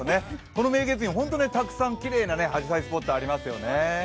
この明月院、たくさんきれいなあじさいスポットがありますよね。